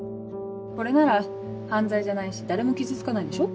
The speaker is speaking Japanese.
これなら犯罪じゃないし誰も傷つかないでしょ？